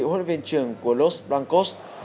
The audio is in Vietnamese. huấn luyện viên trưởng của los blancos